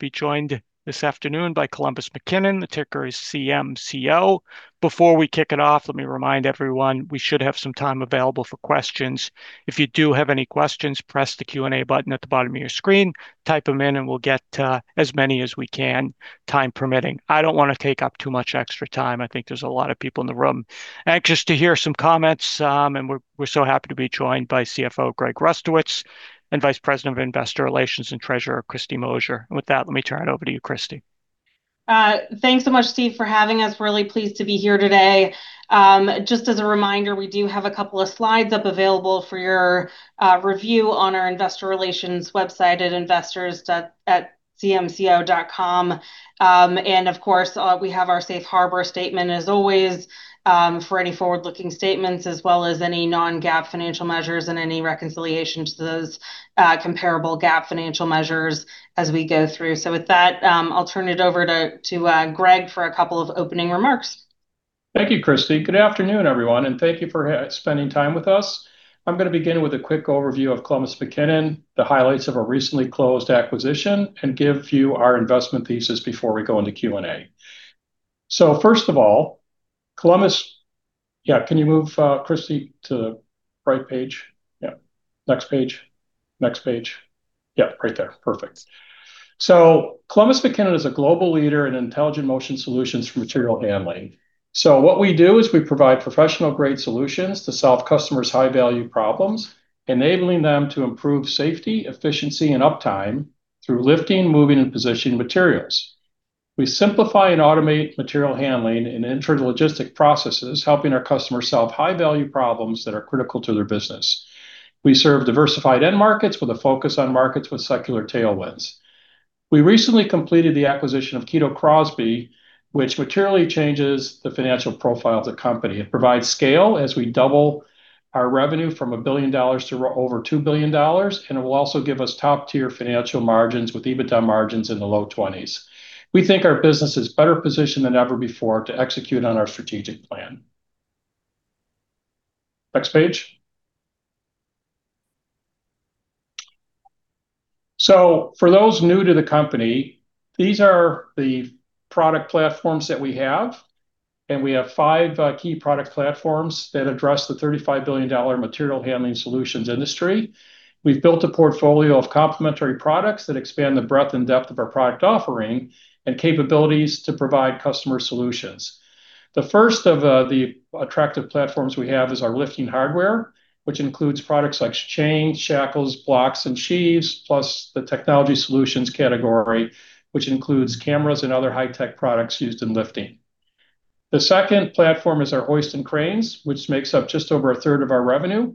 To be joined this afternoon by Columbus McKinnon. The ticker is CMCO. Before we kick it off, let me remind everyone, we should have some time available for questions. If you do have any questions, press the Q&A button at the bottom of your screen, type them in, and we'll get to as many as we can, time permitting. I don't wanna take up too much extra time. I think there's a lot of people in the room anxious to hear some comments. We're so happy to be joined by CFO Greg Rustowicz and Vice President of Investor Relations and Treasurer Kristy Moser. With that, let me turn it over to you, Kristy. Thanks so much, Steve, for having us. Really pleased to be here today. Just as a reminder, we do have a couple of slides up available for your review on our investor relations website at investors.cmco.com. And of course, we have our safe harbor statement as always, for any forward-looking statements, as well as any non-GAAP financial measures and any reconciliation to those comparable GAAP financial measures as we go through. With that, I'll turn it over to Greg for a couple of opening remarks. Thank you, Kristy. Good afternoon, everyone, and thank you for spending time with us. I'm gonna begin with a quick overview of Columbus McKinnon, the highlights of a recently closed acquisition, and give you our investment thesis before we go into Q&A. First of all. Yeah, can you move, Kristy, to right page? Yeah. Next page. Yeah, right there. Perfect. Columbus McKinnon is a global leader in intelligent motion solutions for material handling. What we do is we provide professional-grade solutions to solve customers' high-value problems, enabling them to improve safety, efficiency, and uptime through lifting, moving, and positioning materials. We simplify and automate material handling and internal logistics processes, helping our customers solve high-value problems that are critical to their business. We serve diversified end markets with a focus on markets with secular tailwinds. We recently completed the acquisition of Kito Crosby, which materially changes the financial profile of the company. It provides scale as we double our revenue from $1 billion to over $2 billion, and it will also give us top-tier financial margins with EBITDA margins in the low-20s. We think our business is better positioned than ever before to execute on our strategic plan. Next page. For those new to the company, these are the product platforms that we have, and we have five key product platforms that address the $35 billion material handling solutions industry. We've built a portfolio of complementary products that expand the breadth and depth of our product offering and capabilities to provide customer solutions. The first of the attractive platforms we have is our lifting hardware, which includes products like chains, shackles, blocks, and sheaves, plus the technology solutions category, which includes cameras and other high-tech products used in lifting. The second platform is our hoist and cranes, which makes up just over a third of our revenue.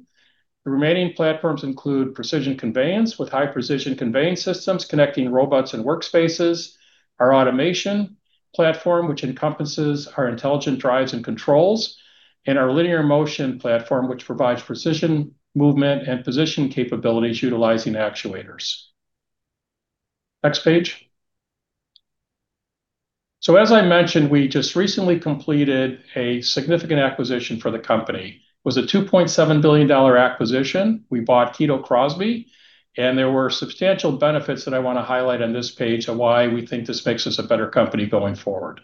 The remaining platforms include precision conveyance with high-precision conveyance systems, connecting robots and workspaces, our automation platform, which encompasses our intelligent drives and controls, and our linear motion platform, which provides precision, movement, and position capabilities utilizing actuators. Next page. As I mentioned, we just recently completed a significant acquisition for the company. It was a $2.7 billion acquisition. We bought Kito Crosby, and there were substantial benefits that I wanna highlight on this page of why we think this makes us a better company going forward.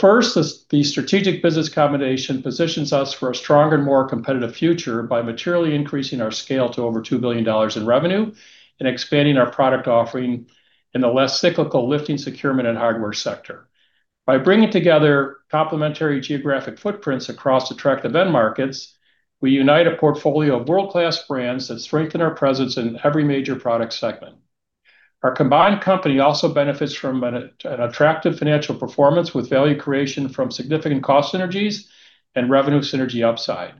First is the strategic business combination positions us for a stronger and more competitive future by materially increasing our scale to over $2 billion in revenue and expanding our product offering in the less cyclical lifting, securement, and hardware sector. By bringing together complementary geographic footprints across attractive end markets, we unite a portfolio of world-class brands that strengthen our presence in every major product segment. Our combined company also benefits from an attractive financial performance with value creation from significant cost synergies and revenue synergy upside.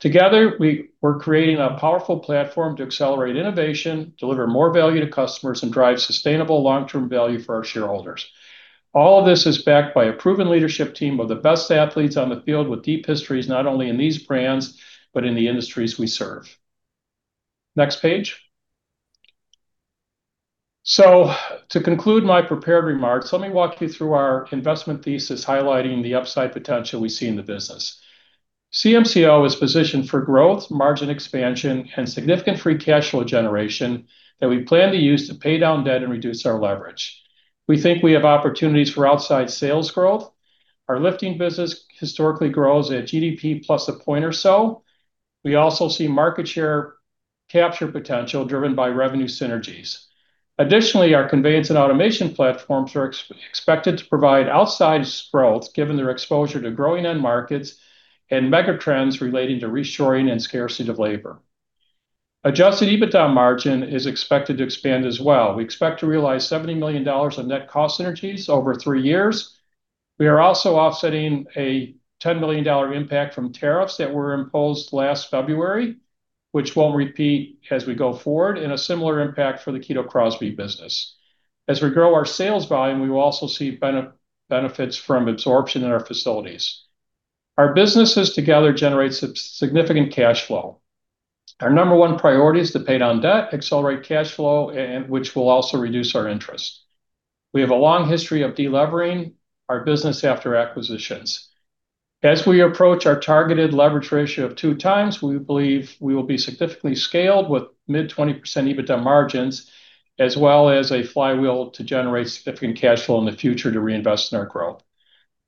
Together, we're creating a powerful platform to accelerate innovation, deliver more value to customers, and drive sustainable long-term value for our shareholders. All of this is backed by a proven leadership team of the best athletes on the field with deep histories, not only in these brands, but in the industries we serve. Next page. To conclude my prepared remarks, let me walk you through our investment thesis highlighting the upside potential we see in the business. CMCO is positioned for growth, margin expansion, and significant free cash flow generation that we plan to use to pay down debt and reduce our leverage. We think we have opportunities for outside sales growth. Our lifting business historically grows at GDP plus a point or so. We also see market share capture potential driven by revenue synergies. Additionally, our conveyance and automation platforms are expected to provide outside growth, given their exposure to growing end markets and megatrends relating to reshoring and scarcity of labor. Adjusted EBITDA margin is expected to expand as well. We expect to realize $70 million of net cost synergies over three years. We are also offsetting a $10 million impact from tariffs that were imposed last February, which won't repeat as we go forward, and a similar impact for the Kito Crosby business. As we grow our sales volume, we will also see benefits from absorption in our facilities. Our businesses together generate significant cash flow. Our number one priority is to pay down debt, accelerate cash flow, and which will also reduce our interest. We have a long history of delevering our business after acquisitions. As we approach our targeted leverage ratio of 2x, we believe we will be significantly scaled with mid-20% EBITDA margins, as well as a flywheel to generate significant cash flow in the future to reinvest in our growth.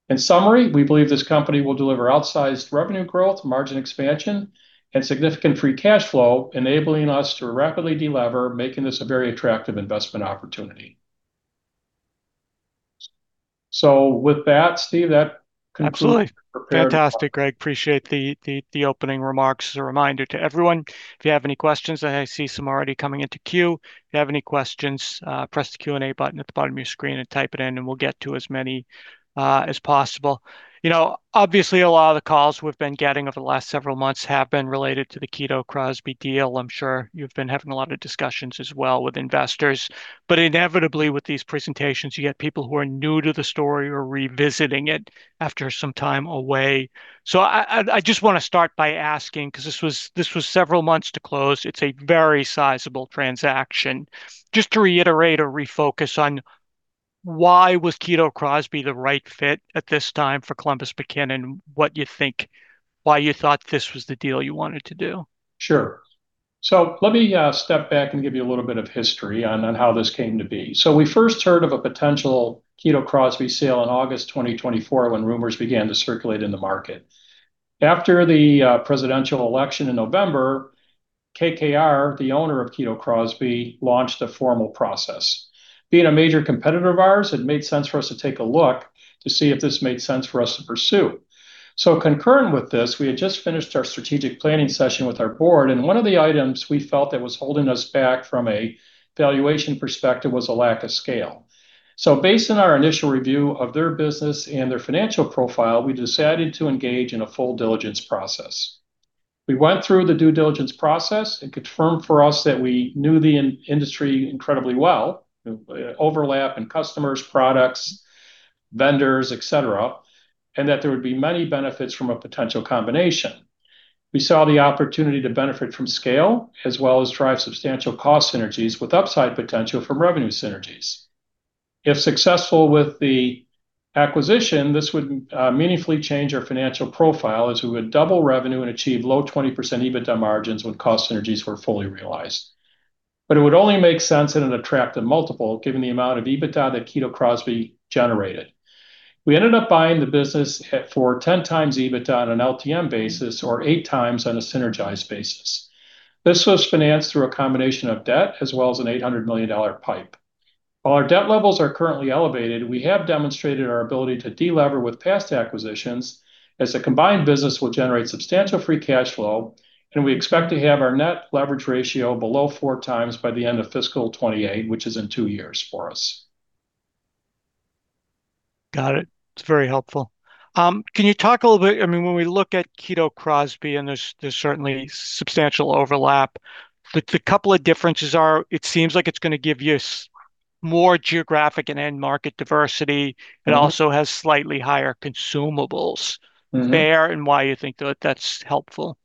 In summary, we believe this company will deliver outsized revenue growth, margin expansion, and significant free cash flow, enabling us to rapidly delever, making this a very attractive investment opportunity. With that, Steve, that concludes. Absolutely. The prepared part. Fantastic, Greg. Appreciate the opening remarks. As a reminder to everyone, if you have any questions, I see some already coming into queue. If you have any questions, press the Q&A button at the bottom of your screen and type it in and we'll get to as many as possible. You know, obviously a lot of the calls we've been getting over the last several months have been related to the Kito Crosby deal. I'm sure you've been having a lot of discussions as well with investors. Inevitably with these presentations, you get people who are new to the story or revisiting it after some time away. I just wanna start by asking, 'cause this was several months to close. It's a very sizable transaction. Just to reiterate or refocus on why was Kito Crosby the right fit at this time for Columbus McKinnon, what you think, why you thought this was the deal you wanted to do? Sure. Let me step back and give you a little bit of history on how this came to be. We first heard of a potential Kito Crosby sale in August 2024 when rumors began to circulate in the market. After the presidential election in November, KKR, the owner of Kito Crosby, launched a formal process. Being a major competitor of ours, it made sense for us to take a look to see if this made sense for us to pursue. Concurrent with this, we had just finished our strategic planning session with our board, and one of the items we felt that was holding us back from a valuation perspective was a lack of scale. Based on our initial review of their business and their financial profile, we decided to engage in a full diligence process. We went through the due diligence process. It confirmed for us that we knew the industry incredibly well, overlap in customers, products, vendors, et cetera, and that there would be many benefits from a potential combination. We saw the opportunity to benefit from scale as well as drive substantial cost synergies with upside potential from revenue synergies. If successful with the acquisition, this would meaningfully change our financial profile as we would double revenue and achieve low 20% EBITDA margins when cost synergies were fully realized. It would only make sense at an attractive multiple given the amount of EBITDA that Kito Crosby generated. We ended up buying the business at 10x EBITDA on an LTM basis, or 8x on a synergized basis. This was financed through a combination of debt as well as an $800 million PIPE. While our debt levels are currently elevated, we have demonstrated our ability to delever with past acquisitions, as the combined business will generate substantial free cash flow, and we expect to have our net leverage ratio below 4x by the end of fiscal 2028, which is in two years for us. Got it. It's very helpful. Can you talk a little bit? I mean, when we look at Kito Crosby, there's certainly substantial overlap. The couple of differences are it seems like it's gonna give you more geographic and end market diversity. Mm-hmm. It also has slightly higher consumables. Mm-hmm. Why you think that that's helpful?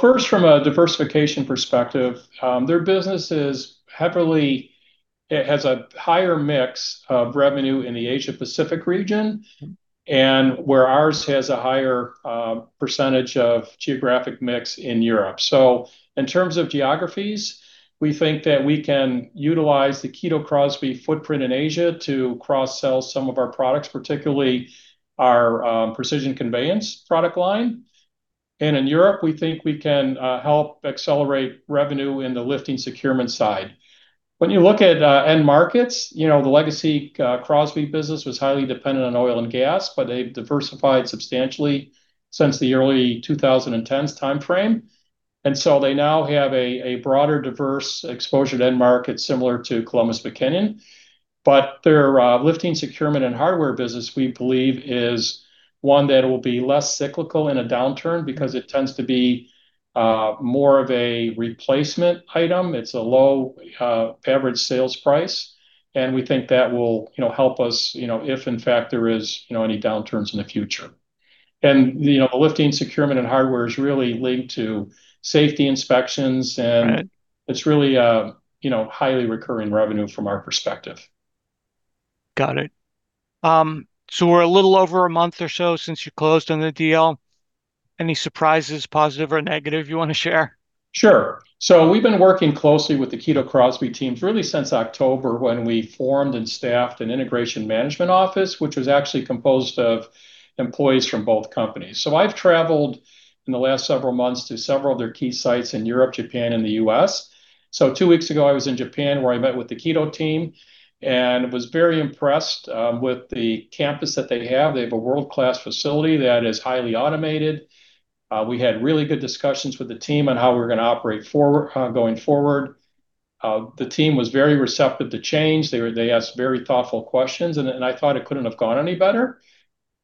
First from a diversification perspective, it has a higher mix of revenue in the Asia-Pacific region. Where ours has a higher percentage of geographic mix in Europe. In terms of geographies, we think that we can utilize the Kito Crosby footprint in Asia to cross-sell some of our products, particularly our Precision Conveyance product line. In Europe, we think we can help accelerate revenue in the lifting securement side. When you look at end markets, you know, the legacy Crosby business was highly dependent on oil and gas, but they've diversified substantially since the early 2010s timeframe. They now have a broader, diverse exposure to end markets similar to Columbus McKinnon. Their lifting, securement, and hardware business, we believe, is one that will be less cyclical in a downturn because it tends to be more of a replacement item. It's a low average sales price, and we think that will, you know, help us, you know, if in fact there is, you know, any downturns in the future. You know, the lifting, securement, and hardware is really linked to safety inspections. Right.... it's really, you know, highly recurring revenue from our perspective. Got it. We're a little over a month or so since you closed on the deal. Any surprises, positive or negative, you wanna share? Sure. We've been working closely with the Kito Crosby teams really since October when we formed and staffed an integration management office, which was actually composed of employees from both companies. I've traveled in the last several months to several of their key sites in Europe, Japan, and the U.S. Two weeks ago, I was in Japan, where I met with the Kito team and was very impressed with the campus that they have. They have a world-class facility that is highly automated. We had really good discussions with the team on how we're gonna operate forward going forward. The team was very receptive to change. They asked very thoughtful questions, and I thought it couldn't have gone any better.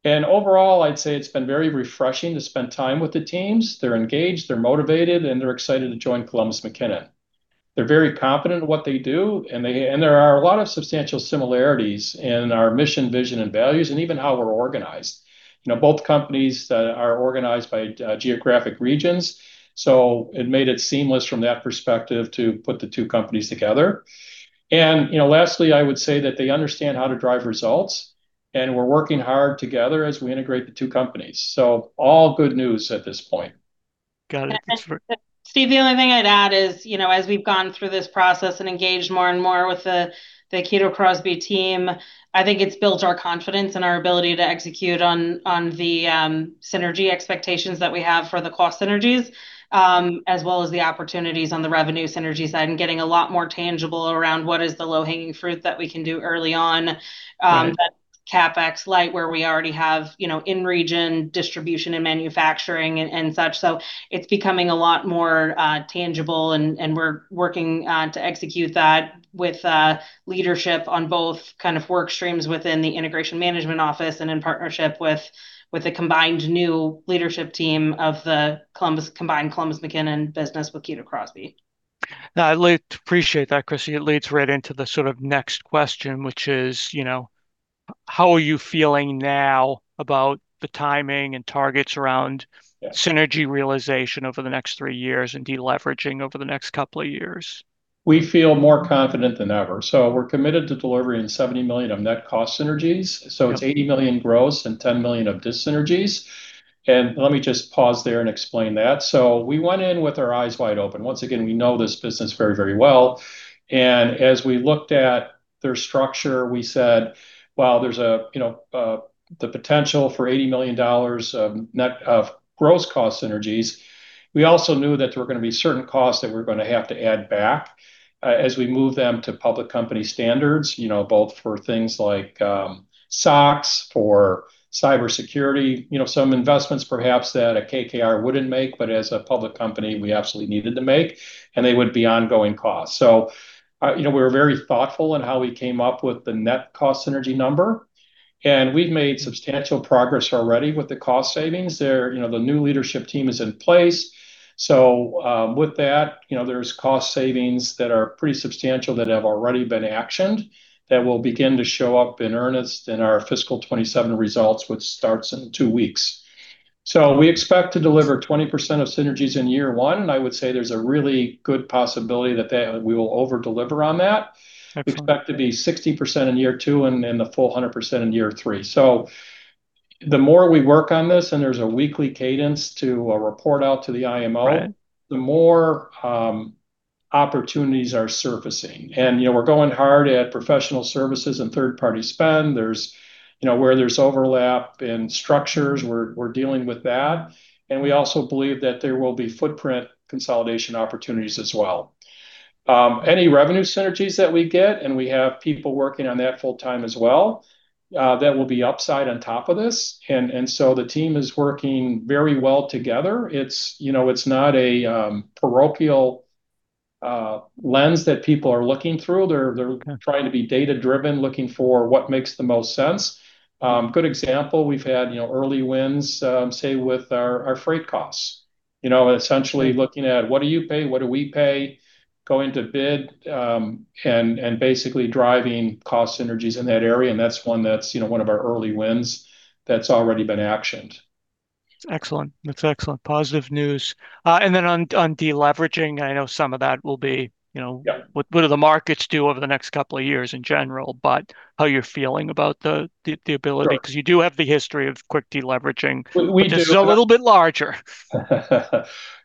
Overall, I'd say it's been very refreshing to spend time with the teams. They're engaged, they're motivated, and they're excited to join Columbus McKinnon. They're very competent at what they do, and there are a lot of substantial similarities in our mission, vision, and values, and even how we're organized. You know, both companies are organized by geographic regions, so it made it seamless from that perspective to put the two companies together. You know, lastly, I would say that they understand how to drive results. We're working hard together as we integrate the two companies. All good news at this point. Got it. That's great. Steve, the only thing I'd add is, you know, as we've gone through this process and engaged more and more with the Kito Crosby team, I think it's built our confidence and our ability to execute on the synergy expectations that we have for the cost synergies, as well as the opportunities on the revenue synergy side and getting a lot more tangible around what is the low-hanging fruit that we can do early on. Right. That's CapEx light, where we already have, you know, in region distribution and manufacturing and such. It's becoming a lot more tangible and we're working to execute that with leadership on both kind of work streams within the integration management office and in partnership with the combined new leadership team of the combined Columbus McKinnon business with Kito Crosby. Now, I'd like to appreciate that, Kristy. It leads right into the sort of next question, which is, you know, how are you feeling now about the timing and targets around? Yeah. Synergy realization over the next three years and deleveraging over the next couple of years? We feel more confident than ever. We're committed to delivering $70 million of net cost synergies. Yeah. It's $80 million gross and $10 million of dis-synergies. Let me just pause there and explain that. We went in with our eyes wide open. Once again, we know this business very, very well, and as we looked at their structure, we said, "Wow, there's you know the potential for $80 million of gross cost synergies." We also knew that there were gonna be certain costs that we're gonna have to add back as we move them to public company standards, you know, both for things like SOX, for cybersecurity. You know, some investments perhaps that a KKR wouldn't make, but as a public company we absolutely needed to make, and they would be ongoing costs. You know, we're very thoughtful in how we came up with the net cost synergy number, and we've made substantial progress already with the cost savings. You know, the new leadership team is in place. With that, you know, there's cost savings that are pretty substantial that have already been actioned that will begin to show up in earnest in our fiscal 2027 results, which starts in two weeks. We expect to deliver 20% of synergies in year one. I would say there's a really good possibility that we will over deliver on that. Excellent. We expect to be 60% in year two and the full 100% in year three. The more we work on this, and there's a weekly cadence to a report out to the IMO. The more opportunities are surfacing. You know, we're going hard at professional services and third party spend. There's, you know, where there's overlap in structures, we're dealing with that. We also believe that there will be footprint consolidation opportunities as well. Any revenue synergies that we get, and we have people working on that full-time as well, that will be upside on top of this. The team is working very well together. It's, you know, it's not a parochial lens that people are looking through. They're trying to be data-driven, looking for what makes the most sense. Good example, we've had, you know, early wins, say with our freight costs. You know, essentially. Yeah. Looking at what do you pay, what do we pay, going to bid, and basically driving cost synergies in that area, and that's one that's, you know, one of our early wins that's already been actioned. Excellent. That's excellent. Positive news. On deleveraging, I know some of that will be, you know. Yeah. What do the markets do over the next couple of years in general, but how you're feeling about the ability? Sure.... because you do have the history of quick deleveraging. We do have a- This is a little bit larger.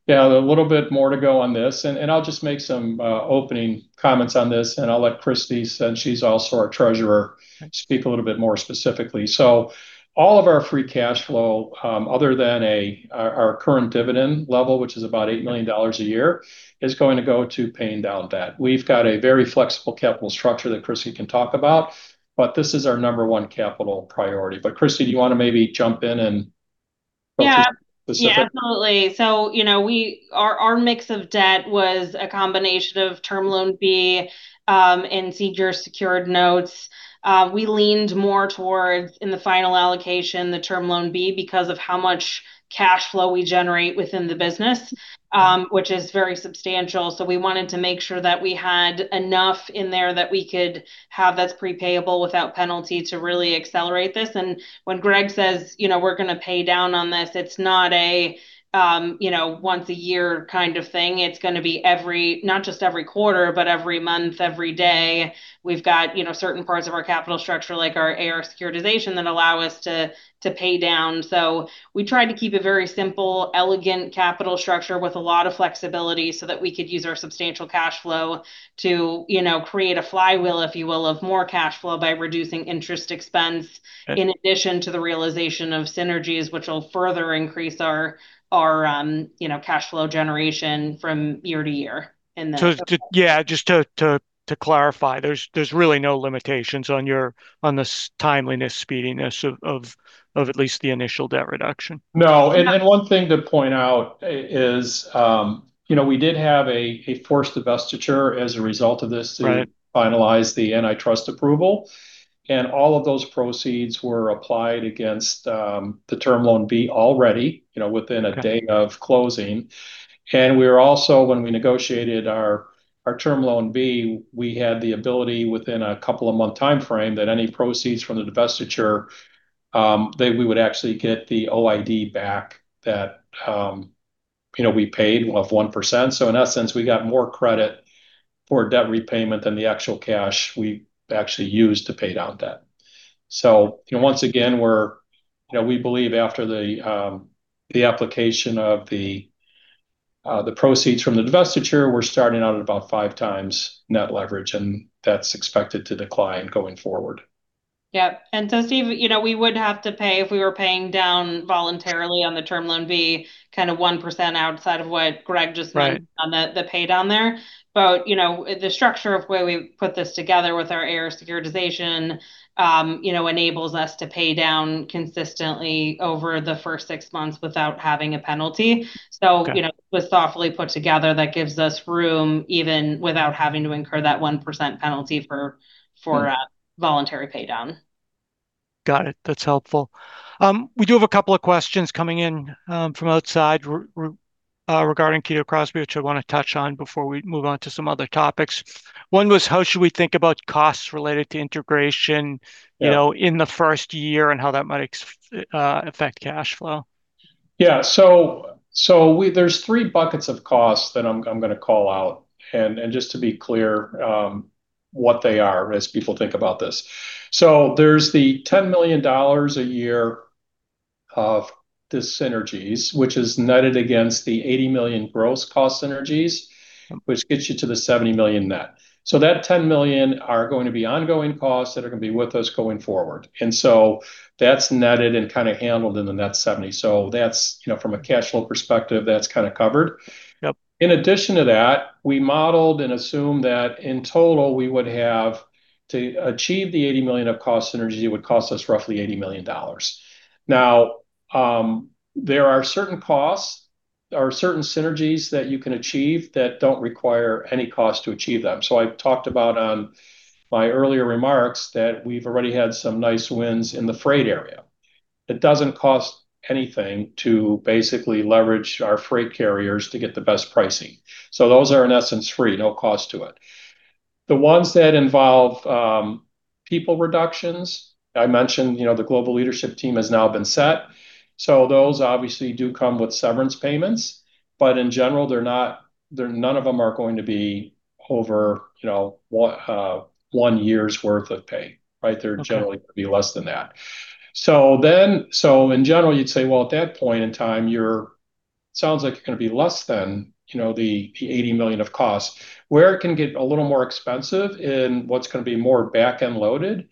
Yeah. A little bit more to go on this. I'll just make some opening comments on this, and I'll let Kristy since she's also our treasurer speak a little bit more specifically. All of our free cash flow, other than our current dividend level, which is about $8 million a year, is going to go to paying down debt. We've got a very flexible capital structure that Kristy can talk about, but this is our number one capital priority. Kristy, do you wanna maybe jump in and go through the specifics? Yeah. Yeah, absolutely. You know, our mix of debt was a combination of Term Loan B and senior secured notes. We leaned more towards, in the final allocation, the Term Loan B because of how much cash flow we generate within the business which is very substantial. We wanted to make sure that we had enough in there that we could have that's prepayable without penalty to really accelerate this. When Greg says, you know, we're gonna pay down on this, it's not a, you know, once a year kind of thing. It's gonna be every, not just every quarter, but every month, every day. We've got, you know, certain parts of our capital structure like our AR securitization that allow us to pay down. We try to keep a very simple, elegant capital structure with a lot of flexibility so that we could use our substantial cash flow to, you know, create a flywheel, if you will, of more cash flow by reducing interest expense. Okay. In addition to the realization of synergies, which will further increase our you know cash flow generation from year to year and then. Yeah, just to clarify, there's really no limitations on the timeliness, speediness of at least the initial debt reduction? No. One thing to point out is, you know, we did have a forced divestiture as a result of this. Right. To finalize the antitrust approval, and all of those proceeds were applied against the Term Loan B already, you know, within a day of closing. We're also, when we negotiated our term loan B, we had the ability within a couple of months timeframe that any proceeds from the divestiture, we would actually get the OID back that, you know, we paid off 1%. In essence, we got more credit for debt repayment than the actual cash we actually used to pay down debt. You know, once again, we believe after the application of the proceeds from the divestiture, we're starting out at about 5x net leverage, and that's expected to decline going forward. Yeah. Steve, you know, we would have to pay if we were paying down voluntarily on the Term Loan B kind of 1% outside of what Greg just- Right.... mentioned on the pay down there. You know, the structure of where we put this together with our AR securitization, you know, enables us to pay down consistently over the first six months without having a penalty. Okay. You know, it was thoughtfully put together that gives us room even without having to incur that 1% penalty for- Right.... for voluntary pay down. Got it. That's helpful. We do have a couple of questions coming in from outside, regarding Kito Crosby, which I wanna touch on before we move on to some other topics. One was: How should we think about costs related to integration? Yeah. You know, in the first year, and how that might affect cash flow? Yeah. There are three buckets of costs that I'm gonna call out, and just to be clear, what they are as people think about this. There are the $10 million a year of the synergies, which is netted against the $80 million gross cost synergies. Okay. Which gets you to the $70 million net. That $10 million are going to be ongoing costs that are gonna be with us going forward. That's netted and kinda handled in the net $70 million. That's, you know, from a cashflow perspective, that's kinda covered. Yep. In addition to that, we modeled and assumed that in total, we would have to achieve the $80 million of cost synergies would cost us roughly $80 million. Now, there are certain costs or certain synergies that you can achieve that don't require any cost to achieve them. I talked about on my earlier remarks that we've already had some nice wins in the freight area. It doesn't cost anything to basically leverage our freight carriers to get the best pricing. Those are, in essence, free, no cost to it. The ones that involve people reductions, I mentioned, you know, the global leadership team has now been set, so those obviously do come with severance payments. But in general, none of them are going to be over, you know, one year's worth of pay, right? Okay. They're generally gonna be less than that. In general, you'd say, well, at that point in time, sounds like you're gonna be less than, you know, the $80 million of cost. Where it can get a little more expensive and what's gonna be more back-end loaded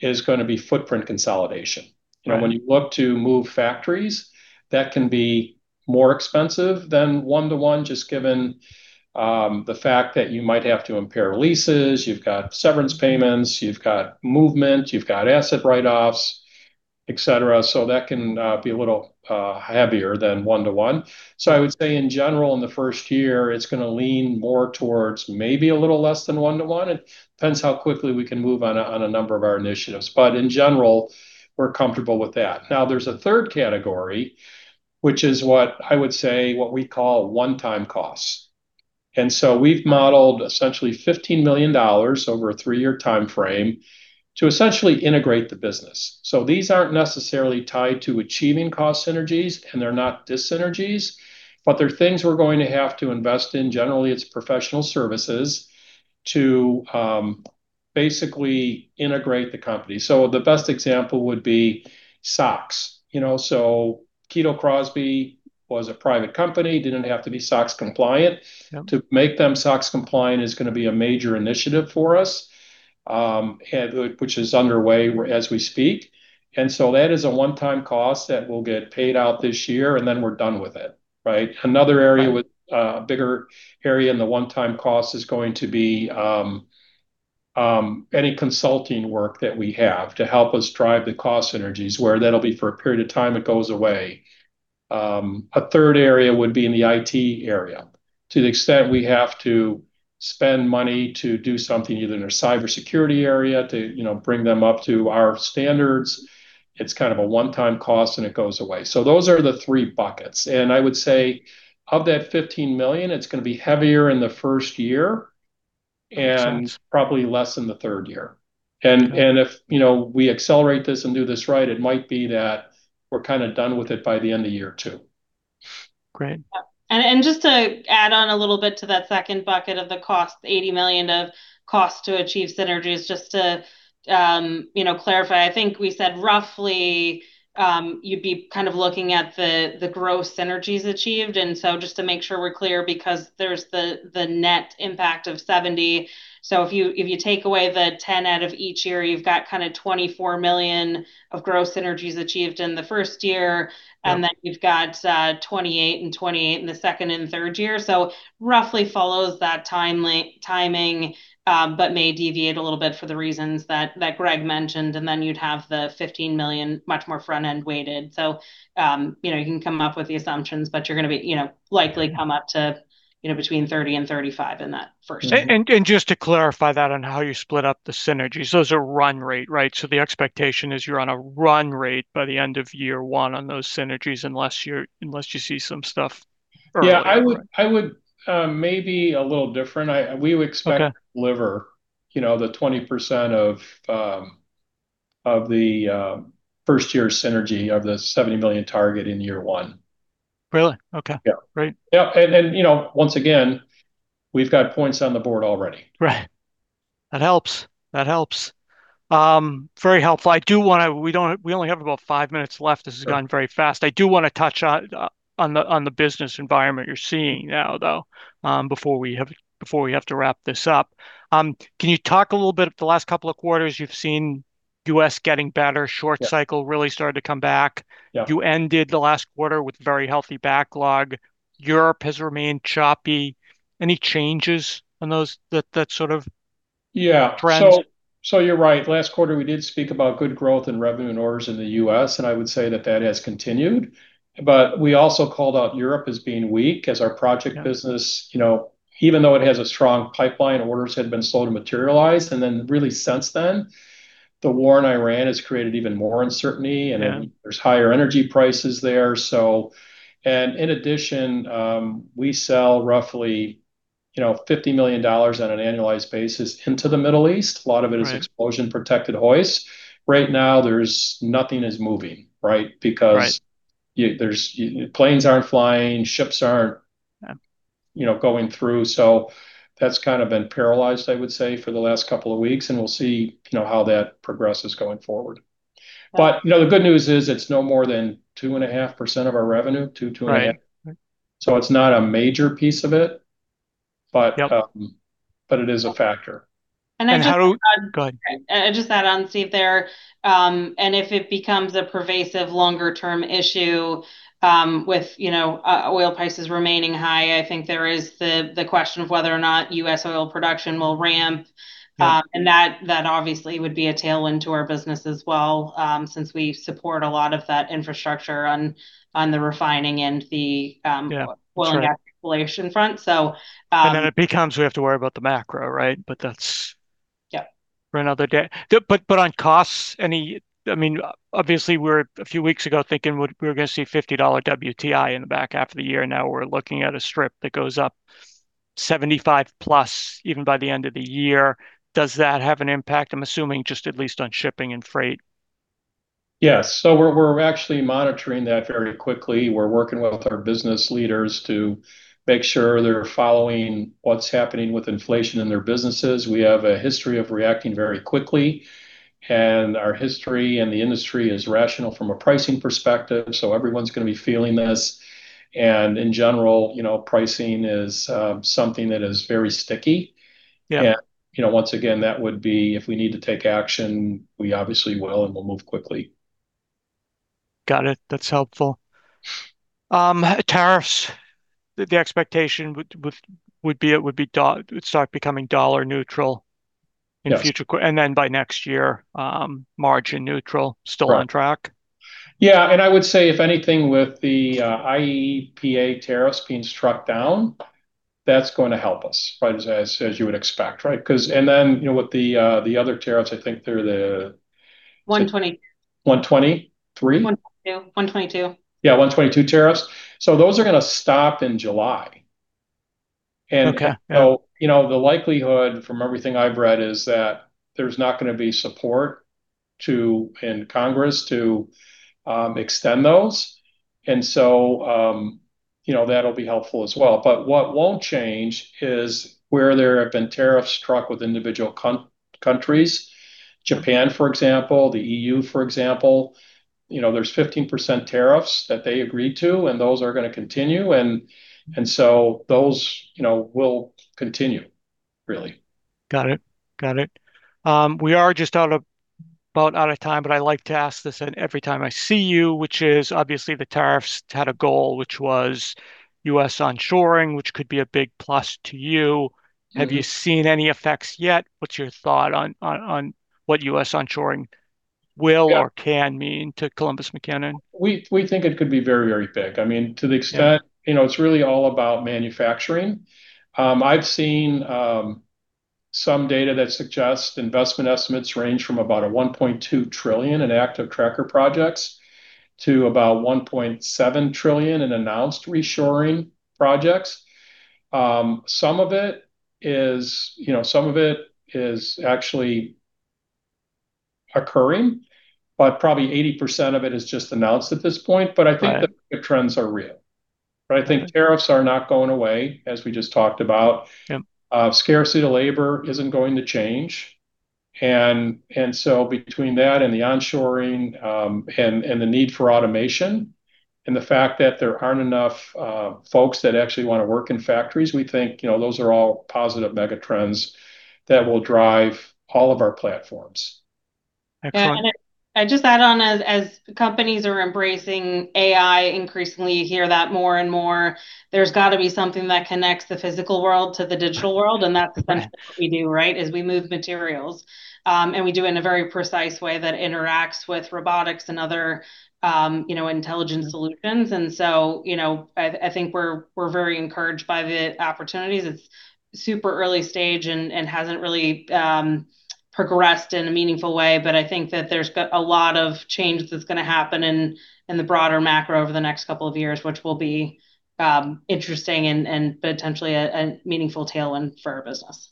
is gonna be footprint consolidation. Right. You know, when you look to move factories, that can be more expensive than one to one, just given the fact that you might have to impair leases, you've got severance payments, you've got movement, you've got asset write-offs, et cetera. That can be a little heavier than one to one. I would say in general, in the first year, it's gonna lean more towards maybe a little less than one to one. It depends how quickly we can move on a number of our initiatives. In general, we're comfortable with that. Now, there's a third category, which is what I would say, what we call one-time costs. We've modeled essentially $15 million over a three-year timeframe to essentially integrate the business. These aren't necessarily tied to achieving cost synergies, and they're not dis-synergies, but they're things we're going to have to invest in. Generally, it's professional services to basically integrate the company. The best example would be SOX. You know? Kito Crosby was a private company, didn't have to be SOX compliant. Yep. To make them SOX compliant is gonna be a major initiative for us, and which is underway as we speak. That is a one-time cost that will get paid out this year, and then we're done with it, right? Right. Another area with a bigger area in the one-time cost is going to be any consulting work that we have to help us drive the cost synergies, where that'll be for a period of time. It goes away. A third area would be in the IT area. To the extent we have to spend money to do something either in our cybersecurity area to, you know, bring them up to our standards, it's kind of a one-time cost, and it goes away. So those are the three buckets. I would say of that $15 million, it's gonna be heavier in the first year. Okay. Probably less in the third year. Okay. If you know, we accelerate this and do this right, it might be that we're kinda done with it by the end of year two. Great. Just to add on a little bit to that second bucket of the cost, $80 million of cost to achieve synergies, just to you know clarify, I think we said roughly, you'd be kind of looking at the gross synergies achieved. Just to make sure we're clear, because there's the net impact of $70 million. If you take away the $10 million out of each year, you've got kinda $24 million of gross synergies achieved in the first year. Yep. You've got $28 million and $28 million in the second and third year. Roughly follows that timeline, but may deviate a little bit for the reasons that Greg mentioned. You'd have the $15 million much more front-end weighted. You know, you can come up with the assumptions, but you're gonna be, you know, likely come up to, you know, between $30 million and $35 million in that first year. Mm-hmm. Just to clarify that on how you split up the synergies, those are run rate, right? The expectation is you're on a run rate by the end of year one on those synergies, unless you see some stuff earlier, right? Yeah. I would maybe a little different. Okay. We would expect to deliver, you know, the 20% of the first-year synergy of the $70 million target in year one. Really? Okay. Yeah. Great. Yeah, you know, once again, we've got points on the board already. Right. That helps. Very helpful. We only have about five minutes left. Sure. This has gone very fast. I do wanna touch on the business environment you're seeing now, though, before we have to wrap this up. Can you talk a little bit, the last couple of quarters you've seen U.S. getting better? Yeah. Short cycle really started to come back. Yeah. You ended the last quarter with very healthy backlog. Europe has remained choppy. Any changes on those, that sort of- Yeah. Trends? You're right. Last quarter we did speak about good growth in revenue and orders in the U.S., and I would say that has continued. We also called out Europe as being weak as our project business. Yeah. You know, even though it has a strong pipeline, orders had been slow to materialize, and then really since then, the war in Iran has created even more uncertainty. Yeah. There's higher energy prices there. In addition, we sell roughly, you know, $50 million on an annualized basis into the Middle East. Right. A lot of it is explosion-protected hoist. Right now, there's nothing moving, right? Right. Because there's planes aren't flying, ships aren't. Yeah. You know, going through. That's kind of been paralyzed, I would say, for the last couple of weeks, and we'll see, you know, how that progresses going forward. Right. You know, the good news is it's no more than 2.5% of our revenue, 2.5. Right. It's not a major piece of it, but. Yep. It is a factor. And how- I'll just add. Go ahead. I'll just add on, Steve, there, and if it becomes a pervasive longer term issue, with, you know, oil prices remaining high, I think there is the question of whether or not U.S. oil production will ramp. Yeah. That obviously would be a tailwind to our business as well, since we support a lot of that infrastructure on the refining and the. Yeah. That's right. Oil and gas exploration front. It becomes we have to worry about the macro, right? That's- Yeah. For another day. On costs, I mean, obviously a few weeks ago we were thinking we were gonna see $50 WTI in the back half of the year. Now we're looking at a strip that goes up 75+ even by the end of the year. Does that have an impact? I'm assuming just at least on shipping and freight. Yes. We're actually monitoring that very quickly. We're working with our business leaders to make sure they're following what's happening with inflation in their businesses. We have a history of reacting very quickly, and our history in the industry is rational from a pricing perspective, so everyone's gonna be feeling this. In general, you know, pricing is something that is very sticky. Yeah. You know, once again, that would be if we need to take action, we obviously will, and we'll move quickly. Got it. That's helpful. Tariffs, the expectation would be, it would start becoming dollar neutral- Yes.... in future and then by next year, margin neutral. Right. Still on track? Yeah, I would say if anything with the IEEPA tariffs being struck down, that's going to help us, right? As you would expect, right? 'Cause then, you know, with the other tariffs, I think they're the- 120. 123? 122. Yeah, 122 tariffs. Those are gonna stop in July. Okay. You know, the likelihood from everything I've read is that there's not gonna be support to, in Congress, to, you know, that'll be helpful as well. What won't change is where there have been tariffs struck with individual countries. Japan, for example, the EU, for example, you know, there's 15% tariffs that they agreed to, and those are gonna continue, and so those, you know, will continue really. Got it. We are just about out of time, but I like to ask this and every time I see you, which is obviously the tariffs had a goal, which was U.S. onshoring, which could be a big plus to you. Mm-hmm. Have you seen any effects yet? What's your thought on what U.S. onshoring will- Yeah.... can mean to Columbus McKinnon? We think it could be very, very big. I mean, to the extent. Yeah. You know, it's really all about manufacturing. I've seen some data that suggests investment estimates range from about $1.2 trillion in active tracker projects to about $1.7 trillion in announced reshoring projects. Some of it is, you know, some of it is actually occurring, but probably 80% of it is just announced at this point. Right. I think the trends are real. Right. I think tariffs are not going away, as we just talked about. Yeah. Scarcity to labor isn't going to change. Between that and the onshoring, and the need for automation, and the fact that there aren't enough folks that actually wanna work in factories, we think, you know, those are all positive mega trends that will drive all of our platforms. Excellent. I just add on, as companies are embracing AI, increasingly you hear that more and more. There's gotta be something that connects the physical world to the digital world. Right. That's essentially what we do, right? We move materials. We do it in a very precise way that interacts with robotics and other, you know, intelligent solutions. You know, I think we're very encouraged by the opportunities. It's super early stage and hasn't really progressed in a meaningful way, but I think that there's a lot of change that's gonna happen in the broader macro over the next couple of years, which will be interesting and potentially a meaningful tailwind for our business.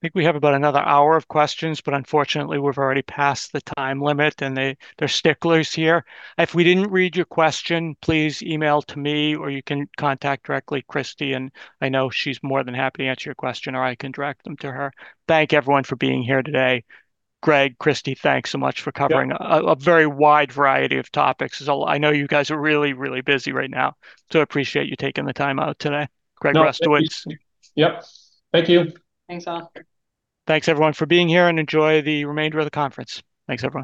I think we have about another hour of questions, but unfortunately we've already passed the time limit, and they’re sticklers here. If we didn't read your question, please email to me, or you can contact directly Kristy, and I know she's more than happy to answer your question, or I can direct them to her. Thank everyone for being here today. Greg, Kristy, thanks so much for covering- Yeah.... a very wide variety of topics. There's a lot. I know you guys are really busy right now, so appreciate you taking the time out today. No, absolutely. Gregory Rustowicz. Yep. Thank you. Thanks, all. Thanks everyone for being here, and enjoy the remainder of the conference. Thanks, everyone.